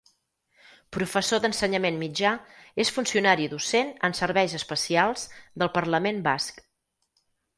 Professor d'Ensenyament Mitjà, és funcionari docent en serveis especials del Parlament Basc.